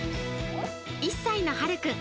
１歳のはるくん。